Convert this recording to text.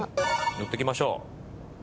のっていきましょう。